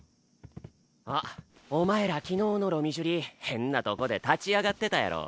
あっお前ら昨日の「ロミジュリ」変なとこで立ち上がってたやろ？